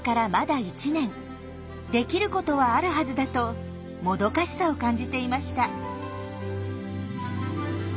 できることはあるはずだともどかしさを感じていました。